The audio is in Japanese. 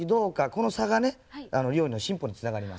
この差がね料理の進歩につながります。